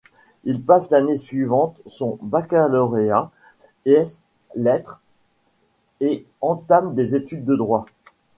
Il passe l’année suivante son baccalauréat ès lettres et entame des études de droit.